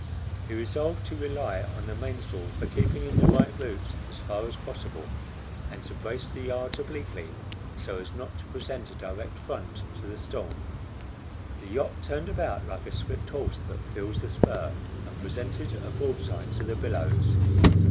He resolved to rely on the mainsail for keeping in the right route as far as possible, and to brace the yards obliquely, so as not to present a direct front to the storm. The yacht turned about like a swift horse that feels the spur, and presented a broadside to the billows.